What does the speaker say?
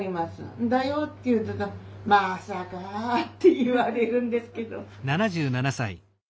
「んだよ」って言うけど「まさか」って言われるんですけど。